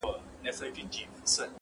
باران ورېږي .